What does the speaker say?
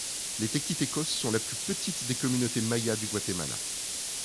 Les Tektitekos sont la plus petite des communautés mayas du Guatemala.